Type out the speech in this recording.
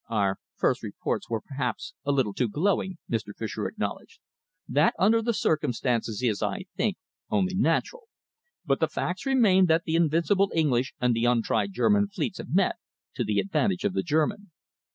"Our first reports were perhaps a little too glowing," Mr. Fischer acknowledged. "That, under the circumstances, is, I think, only natural. But the facts remain that the invincible English and the untried German fleets have met, to the advantage of the German."